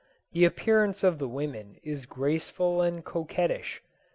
The appearance of the women is graceful and coquettish.